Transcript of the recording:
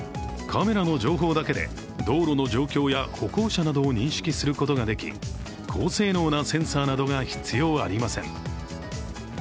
カメラの情報だけで道路の状況や歩行者などを認識することができ高性能なセンサーなどが必要ありません。